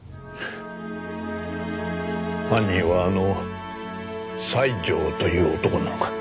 犯人はあの西條という男なのか？